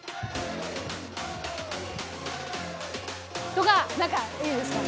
とか何かいいですか。